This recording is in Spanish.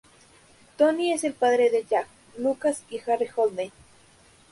Tony es el padre de Jack, Lucas y Harry Holden.